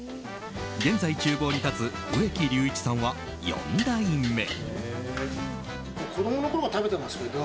現在、厨房に立つ植木隆一さんは、４代目。